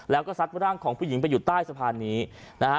แล้วก็ซัดร่างของผู้หญิงไปอยู่ใต้สะพานนี้นะฮะ